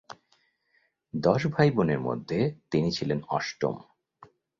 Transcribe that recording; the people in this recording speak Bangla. দশ ভাই বোনের মধ্যে তিনি ছিলেন অষ্টম।